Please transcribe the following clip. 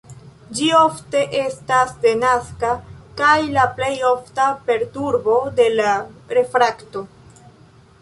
Ĝi ofte estas denaska kaj la plej ofta perturbo de la refrakto.